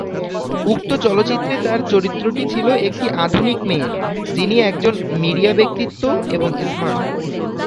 উক্ত চলচ্চিত্রে তাঁর চরিত্রটি ছিল একটি আধুনিক মেয়ের, যিনি একজন মিডিয়া ব্যক্তিত্ব এবং স্মার্ট।